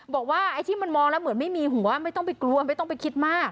บอกว่าไอ้ที่มันมองแล้วเหมือนไม่มีหัวไม่ต้องไปกลัวไม่ต้องไปคิดมาก